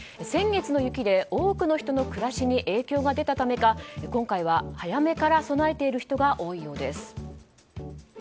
先月の雪で多くの人の暮らしに影響が出たためか今回は早めから備えている人が多いようです。